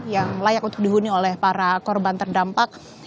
yang layak untuk dihuni oleh para korban terdampak